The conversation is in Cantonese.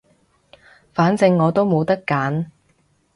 反正我都冇得揀